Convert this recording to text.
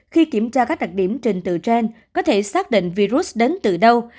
khi kiểm tra các đặc điểm trình tự trên có thể xác định virus đến từ đâu